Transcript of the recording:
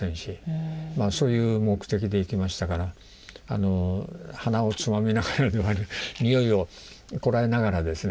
そういう目的で行きましたから鼻をつまみながら臭いをこらえながらですね